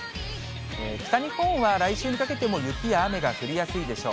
北日本は来週にかけても雪が雨が降りやすいでしょう。